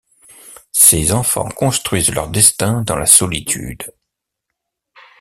Ces enfants construisent leur destin dans la solitude.